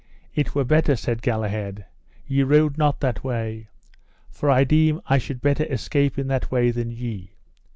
It were better, said Galahad, ye rode not that way, for I deem I should better escape in that way than ye.